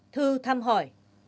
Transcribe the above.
thư thăm hỏi